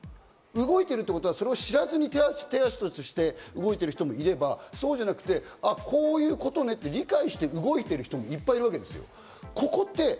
動いてるということは知らずに、動いている人もいればそうじゃなくて、こういうことねって理解して動いてる人もいっぱいいるわけです。